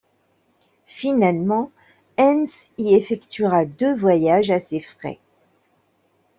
Finalement, Hens y effectuera deux voyages à ses frais.